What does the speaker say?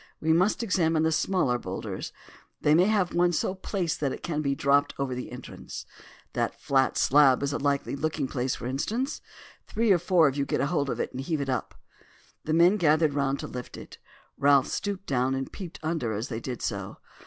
We must examine the smaller boulders. They may have one so placed that it can be dropped down over the entrance. That flat slab is a likely looking place, for instance. Three or four of you get hold of it and heave it up." The men gathered round to lift it. Ralph stooped down and peeped under as they did so.